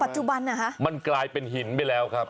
อ๋อปัจจุบันน่ะฮะมันกลายเป็นหินไปแล้วครับ